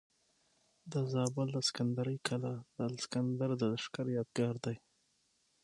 د زابل د سکندرۍ قلا د الکسندر د لښکر یادګار دی